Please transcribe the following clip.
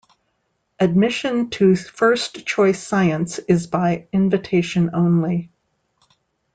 Admission to First Choice Science is by invitation only.